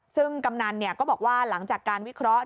ซึ่งกำนันก็บอกว่าหลังจากการวิเคราะห์